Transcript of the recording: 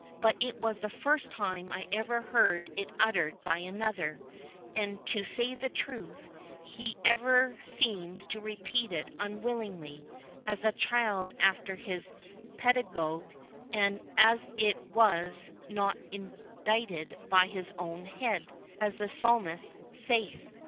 But it was the first time I ever heard it uttered by another; and, to say truth, he ever seems to repeat it unwillingly, as a child after his pedagogue, and as it was not indited by his own head, as the Psalmist saith."